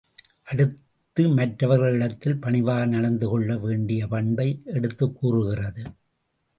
அடுத்து மற்றவர்களிடத்தில் பணிவாக நடந்து கொள்ள வேண்டிய பண்பை எடுத்துக் கூறுகிறது.